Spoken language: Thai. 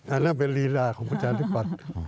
อันนั้นเป็นลีลาของประชาธิปัตย์